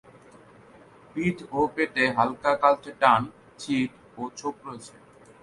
পিঠ ও পেটে হালকা কালচে টান, ছিট ও ছোপ রয়েছে।